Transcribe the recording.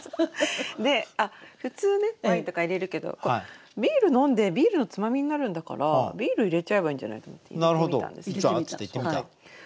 で普通ねワインとか入れるけどビール飲んでビールのつまみになるんだからビール入れちゃえばいいんじゃないのって入れてみたんですね。